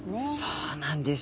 そうなんです。